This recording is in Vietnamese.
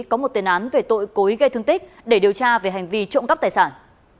có một tên án về tội cối gây thương tích để điều tra về hành vi trộm cắp tài sản